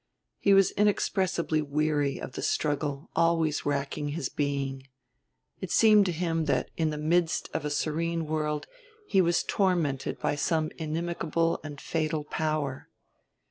He was inexpressibly weary of the struggle always racking his being: it seemed to him that in the midst of a serene world he was tormented by some inimicable and fatal power.